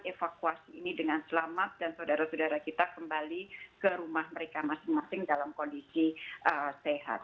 evakuasi ini dengan selamat dan saudara saudara kita kembali ke rumah mereka masing masing dalam kondisi sehat